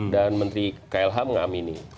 dan menteri klh mengamini